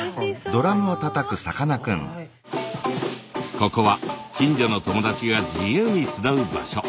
ここは近所の友達が自由に集う場所。